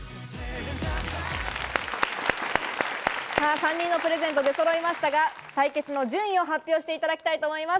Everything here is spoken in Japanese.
３人のプレゼントが出そろいましたが、対決の順位を発表していただきたいと思います。